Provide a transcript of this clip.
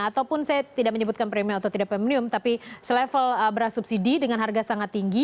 ataupun saya tidak menyebutkan premium atau tidak premium tapi selevel beras subsidi dengan harga sangat tinggi